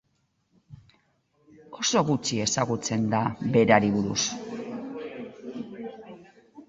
Oso gutxi ezagutzen da berari buruz.